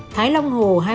thái long hồ